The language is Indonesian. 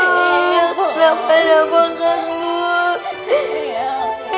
kenapa gak mau kembali